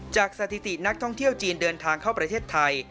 สถิตินักท่องเที่ยวจีนเดินทางเข้าประเทศไทย